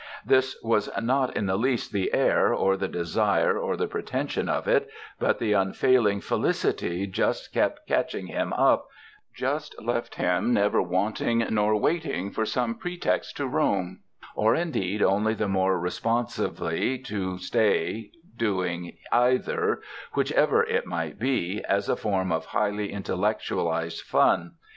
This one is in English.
This was not in the least the air, or the desire, or the pretension of it, but the unfailing felicity just kept catching him up, just left him never wanting nor waiting for some pretext to roam, or indeed only the more responsively to stay, doing either, whichever it might be, as a form of highly intellectualised "fun."